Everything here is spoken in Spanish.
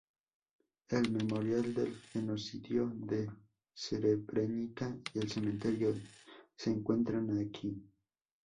El "Memorial del genocidio de Srebrenica" y el cementerio se encuentran aquí.